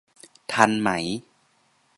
ทันไหม